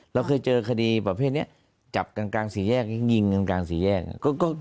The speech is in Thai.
เราเคยเจอคดีประเภทนี้จับกันกลางสี่แยกยิงกันกลางสี่แยก